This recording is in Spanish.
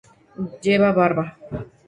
Lleva barba.